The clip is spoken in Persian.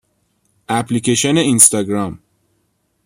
اپلیکیشن اینستاگرام